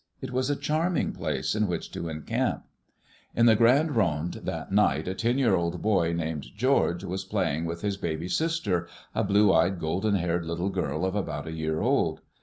It was a charming place in which to encamp. In the Grande Ronde that night a ten year old boy named George was playing with his baby sister, a blue eyed, golden haired little girl of about a year old.